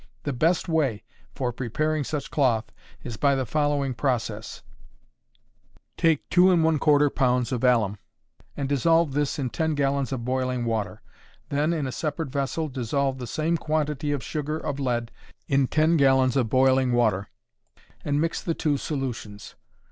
The best way for preparing such cloth is by the following process: Take 2¼ pounds of alum and dissolve this in 10 gallons of boiling water; then in a separate vessel dissolve the same quantity of sugar of lead in 10 gallons of water, and mix the two solutions.